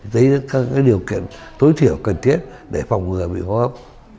đấy là các điều kiện tối thiểu cần thiết để phòng ngừa bị ho hấp